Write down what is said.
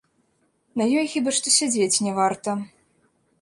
На ёй хіба што сядзець не варта.